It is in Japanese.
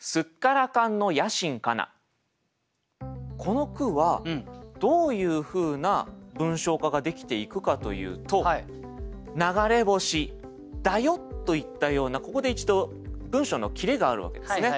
この句はどういうふうな文章化ができていくかというと「流れ星だよ」といったようなここで一度文章の切れがあるわけですね。